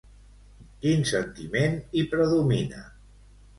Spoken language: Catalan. Quin sentiment hi predomina?